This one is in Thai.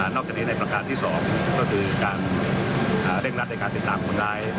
จากนี้ในประการที่๒ก็คือการเร่งรัดในการติดตามคนร้าย